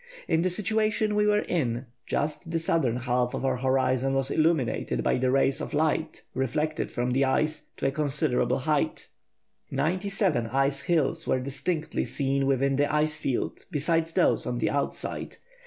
In the situation we were in, just the southern half of our horizon was illuminated by the rays of light, reflected from the ice, to a considerable height. Ninety seven ice hills were distinctly seen within the ice field, besides those on the outside.